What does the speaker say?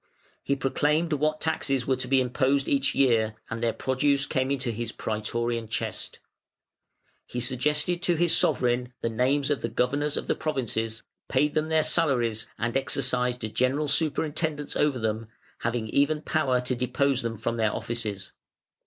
He proclaimed what taxes were to be imposed each year, and their produce came into his "Prætorian chest". He suggested to his sovereign the names of the governors of the provinces, paid them their salaries, and exercised a general superintendence over them, having even power to depose them from their offices.